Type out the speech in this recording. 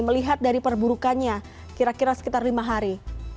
melihat dari perburukannya kira kira sekitar lima hari